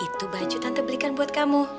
itu baju tante belikan buat kamu